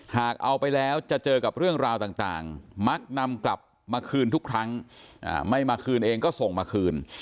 หากเอาไปแล้วจะเจอกับเรื่องราวต่างมักนำกลับมาคืนทุกครั้งไม่มาคืนเองก็ส่งมาคืน